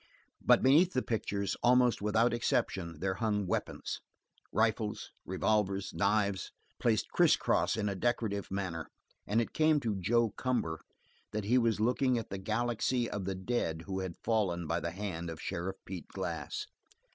But beneath the pictures, almost without exception, there hung weapons: rifles, revolvers, knives, placed criss cross in a decorative manner, and it came to "Joe Cumber" that he was looking at the galaxy of the dead who had fallen by the hand of Sheriff Pete Glass.